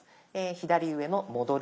左上の「戻る」